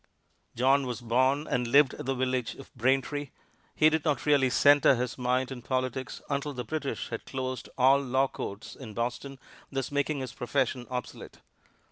John was born and lived at the village of Braintree. He did not really center his mind on politics until the British had closed all law courts in Boston, thus making his profession obsolete.